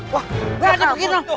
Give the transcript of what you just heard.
wah ada begini